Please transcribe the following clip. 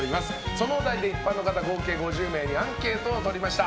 そのお題で一般の方合計５０名にアンケートを取りました。